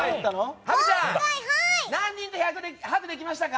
ハグちゃん何人とハグできましたか？